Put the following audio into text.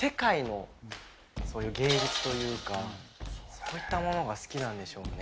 そういったものが好きなんでしょうね。